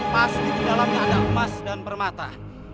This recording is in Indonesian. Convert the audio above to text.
pasti di dalamnya ada emas dan permata